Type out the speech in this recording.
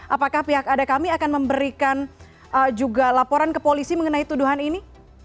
apakah pihak ada kami akan memberikan juga laporan ke polisi mengenai tuduhan ini